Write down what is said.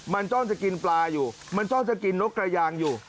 มันจ้อนจะกินปลาอยู่มันจ้อนจะกินนกกระยางอยู่